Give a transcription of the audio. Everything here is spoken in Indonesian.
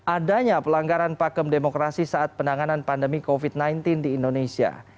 adanya pelanggaran pakem demokrasi saat penanganan pandemi covid sembilan belas di indonesia